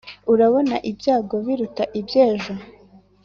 urabona ibyago biruta iby'ejo.